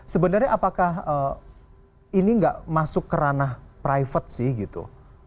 sebenarnya apakah ini nggak masuk kerana private sih gitu